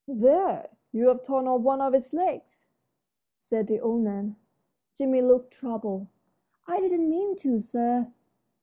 "There, you've torn off one of its legs," said the old man. Jimmie looked troubled. "I didn't mean to, sir."